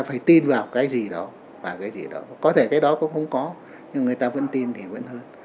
phải tin vào cái gì đó và cái gì đó có thể cái đó cũng không có nhưng người ta vẫn tin thì vẫn hơn